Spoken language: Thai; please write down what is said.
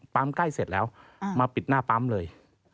ใกล้เสร็จแล้วมาปิดหน้าปั๊มเลย